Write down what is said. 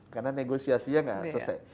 karena negosiasinya enggak selesai